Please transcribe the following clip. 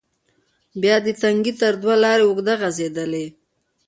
بیا د تنگي تر دوه لارې اوږده غزیدلې،